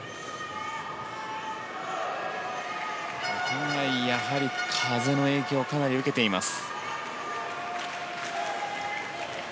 お互い風の影響をかなり受けています。